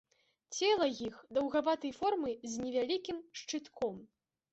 Цела іх даўгаватай формы з невялікім шчытком.